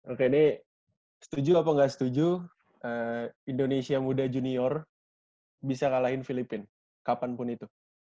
oke ini setuju apa nggak setuju indonesia muda junior bisa kalahin filipina kapanpun itu